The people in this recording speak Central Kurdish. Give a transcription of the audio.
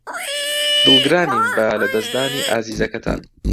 دڵگرانین بە لەدەستدانی ئازیزەکەتان.